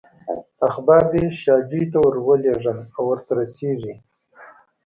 اخبار دې شاجوي ته ورولېږم او ورته رسېږي.